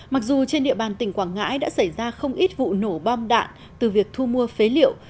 mặc dù trên địa bàn tỉnh quảng ngãi đã xảy ra không ít vụ nổ bom đạn từ việc thu mua phế liệu